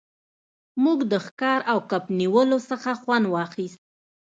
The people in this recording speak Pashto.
موږ د ښکار او کب نیولو څخه خوند واخیست